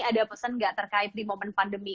ada pesan nggak terkait di momen pandemi